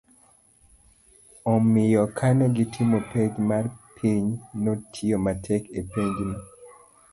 omiyo kane gitimo penj mar piny, notiyo matek e penjno